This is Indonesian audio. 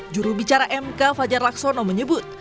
juru bicara mk fajar laksono menyebut